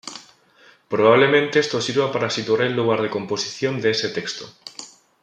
Probablemente esto sirva para situar el lugar de composición de ese texto.